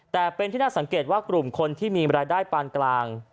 แต่เป็นที่น่าสังเกตว่ากลุ่มคนที่มีรายได้ปานกลาง